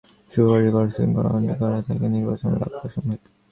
শুধু কার্য-কারণ-শৃঙ্খলা অনন্তকাল থাকিলে নির্বাণ লাভ অসম্ভব হইত।